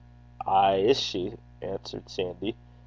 'Ay is she,' answered Sandy.